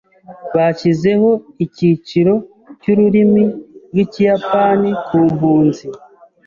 Bashyizeho icyiciro cy’ururimi rw’ikiyapani ku mpunzi.